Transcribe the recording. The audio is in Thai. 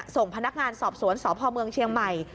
ส่งพนักงานสอบสวนสพเมืองเชียงใหม่